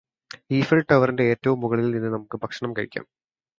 Eiffel ടവറിന്റെ ഏറ്റവും മുകളിൽ നിന്ന് നമുക്ക് ഭക്ഷണം കഴിക്കാം